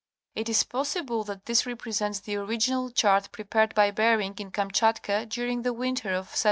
It is possible that this represents the original chart prepared by Bering in Kamchatka during the winter of 1728 9...